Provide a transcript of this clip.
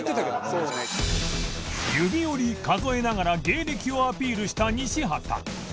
指折り数えながら芸歴をアピールした西畑